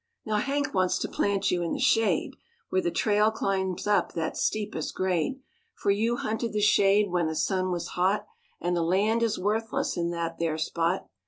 Now Hank wants to plant you in the shade, Where the trail climbs up that steepest grade, For you hunted the shade when the sun was hot, And the land is worthless in that there spot.